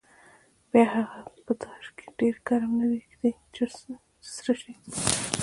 بیا هغه په داش کې چې ډېر ګرم نه وي ږدي چې سره شي.